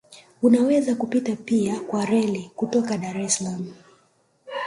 Unaweza kupita pia kwa reli kutoka Dar es Salaam